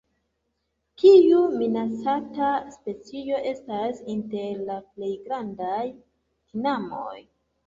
Tiu minacata specio estas inter la plej grandaj tinamoj.